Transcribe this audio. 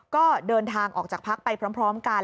ก็เดินทางออกจากพักไปพร้อมกัน